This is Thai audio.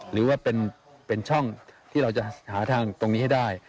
หรือว่าเป็นช่องที่เราจะหาทางตรงนี้ให้ได้